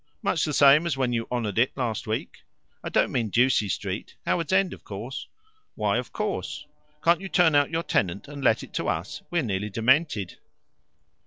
"Much the same as when you honoured it last week." "I don't mean Ducie Street. Howards End, of course." "Why 'of course'?" "Can't you turn out your tenant and let it to us? We're nearly demented."